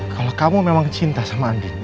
kalau kamu memang cinta sama andi